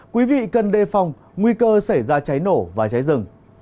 quý vị cần đề phòng nguy cơ xảy ra cháy nổ và cháy rừng